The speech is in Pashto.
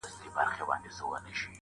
شمع ده چي مړه سي رڼا نه لري؛